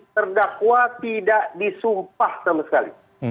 terdakwa tidak disumpah sama sekali